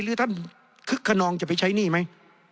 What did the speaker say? หรือท่านคึกขนองจะไปใช้หนี้ไหม